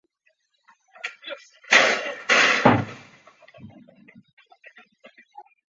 绥芬河老站建立成时为中东铁路的九个二等站之一。